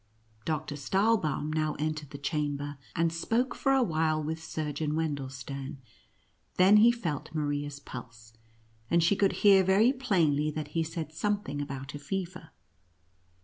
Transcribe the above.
Doctor Stahl bäum now entered the chamber, and spoke for a while with Surgeon Wendelstern, then he felt Maria's pulse, and she could hear very plainly that he said something about a fever.